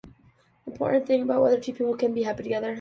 The important thing is whether two people can be happy together.